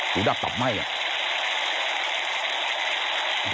หรือดับตับไหม้อ่ะ